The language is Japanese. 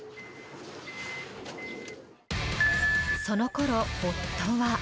そのころ、夫は。